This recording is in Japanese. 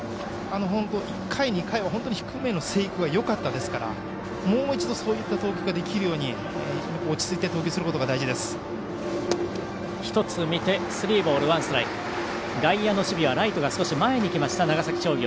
１回、２回は低めの制球はよかったですからもう一度そういった投球ができるように、落ち着いて外野の守備はライトが少し前に来ました長崎商業。